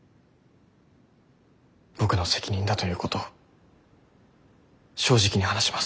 僕の責任だということを正直に話します。